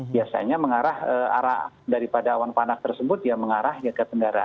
biasanya mengarah arah daripada awan panas tersebut ya mengarah ke tenggara